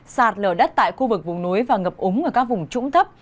sạt lở đất tại khu vực vùng núi và ngập úng ở các vùng trũng thấp